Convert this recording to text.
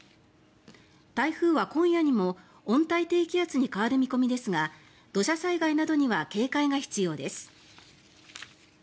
台風は今夜にも温帯低気圧に変わる見込みですが土砂災害などには警戒が必要です。